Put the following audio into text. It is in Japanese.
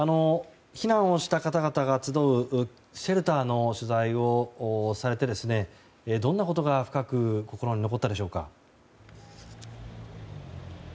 避難をした方々が集うシェルターの取材をされてどんなことが深く心に残ったでしょうか。